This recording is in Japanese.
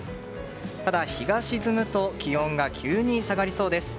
ただ、日が沈むと気温が急に下がりそうです。